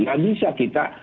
tidak bisa kita